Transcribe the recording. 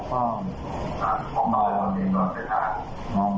เตะไปหลายที่มั้ย